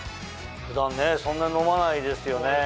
普段ねそんな飲まないですよね。